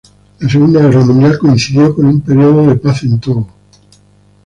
La Segunda Guerra Mundial coincidió con un período de paz en Togo.